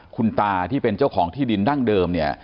คุณตาที่เป็นเจ้าของที่ดินดั้งเดิมเนี่ย